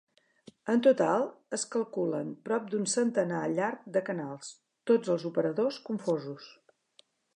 En total es calculen prop d'un centenar llarg de canals, tots els operadors confosos.